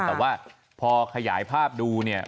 แต่ว่าพอขยายภาพดูเนี่ย